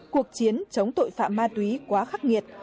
cuộc chiến chống tội phạm ma túy quá khắc nghiệt